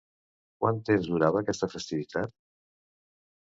Quant temps durava aquesta festivitat?